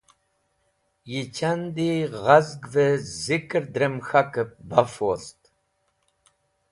Yi chandi ghazg’v-e zikr drem k̃hakep baf wost.